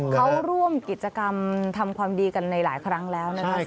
เขาร่วมกิจกรรมทำความดีกันในหลายครั้งแล้วนะครับ